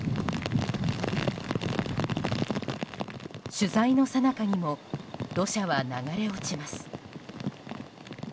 取材のさなかにも土砂は流れ落ちます。